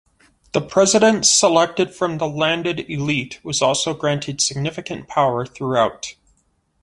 The president, selected from the landed elite, was also granted significant power throughout.